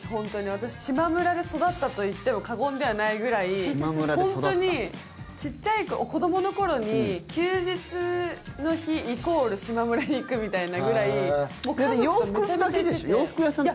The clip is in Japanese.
私、しまむらで育ったといっても過言ではないぐらい本当に子どもの頃に休日イコールしまむらに行くみたいなぐらいもう家族とめちゃめちゃ行ってて。